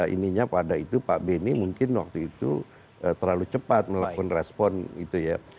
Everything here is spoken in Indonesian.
ininya pada itu pak beni mungkin waktu itu terlalu cepat melakukan respon itu ya